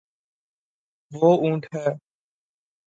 وہ اونٹ ہے